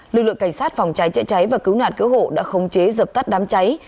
lực lượng cảnh sát phòng cháy chữa cháy và cứu nạn cứu hộ đã khống chế dập tắt đám cháy